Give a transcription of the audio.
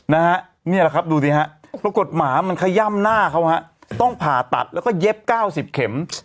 นี่แหละครับดูสิฮะปรากฏหมามันขย่ำหน้าเขาฮะต้องผ่าตัดแล้วก็เย็บเก้าสิบเข็ม